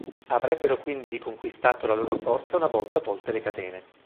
Avrebbero quindi riconquistato la loro forza una volta tolte le catene.